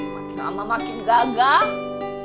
makin lama makin gagah